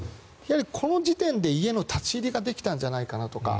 この時点で家の立ち入りができたんじゃないかなとか